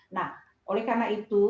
nah oleh karena itu